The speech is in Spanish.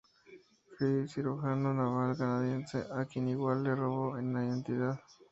Cyr., cirujano naval canadiense a quien igual le robó la identidad.